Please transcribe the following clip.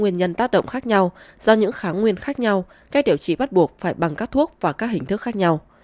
nguyên nhân tác động khác nhau do những kháng nguyên khác nhau cách điều trị bắt buộc phải bằng các thuốc và các hình thức khác nhau